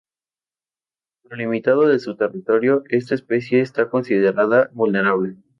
Por lo limitado de su territorio esta especie está considerada vulnerable.